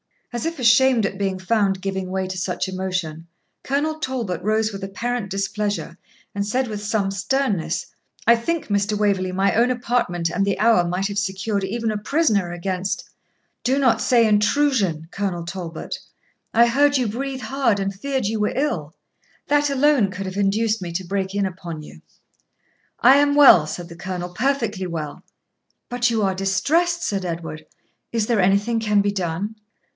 As if ashamed at being found giving way to such emotion, Colonel Talbot rose with apparent displeasure and said, with some sternness, 'I think, Mr. Waverley, my own apartment and the hour might have secured even a prisoner against ' 'Do not say INTRUSION, Colonel Talbot; I heard you breathe hard and feared you were ill; that alone could have induced me to break in upon you.' 'I am well,' said the Colonel, 'perfectly well.' 'But you are distressed,' said Edward; 'is there anything can be done?'